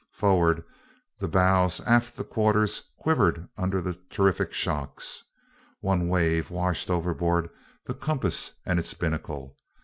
Forward the bows, aft the quarters, quivered under the terrific shocks. One wave washed overboard the compass and its binnacle.